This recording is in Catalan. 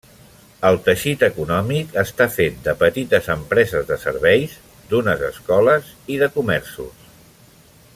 El teixit econòmic està fet de petites empreses de serveis, d’unes escoles i de comerços.